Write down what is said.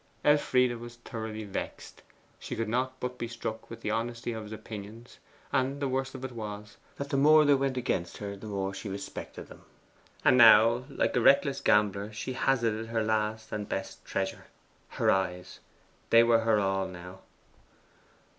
Elfride was thoroughly vexed. She could not but be struck with the honesty of his opinions, and the worst of it was, that the more they went against her, the more she respected them. And now, like a reckless gambler, she hazarded her last and best treasure. Her eyes: they were her all now.